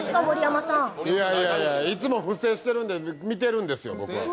いやいや、いつも不正してるんで、見てるんですよ、僕は。